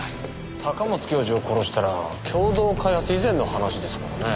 高松教授を殺したら共同開発以前の話ですからね。